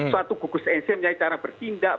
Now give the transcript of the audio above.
suatu gugus ensim yang cara bertindak